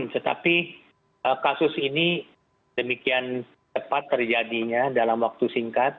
tetapi kasus ini demikian cepat terjadinya dalam waktu singkat